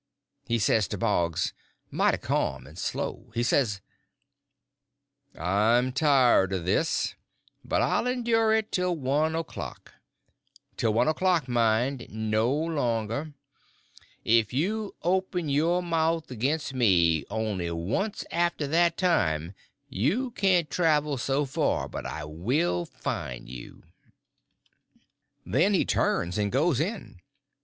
He says to Boggs, mighty ca'm and slow—he says: "I'm tired of this, but I'll endure it till one o'clock. Till one o'clock, mind—no longer. If you open your mouth against me only once after that time you can't travel so far but I will find you." Then he turns and goes in.